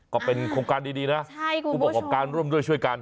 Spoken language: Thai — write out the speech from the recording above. ก็เป็นโครงการดีนะทุกคนบอกกับการร่วมช่วยกัน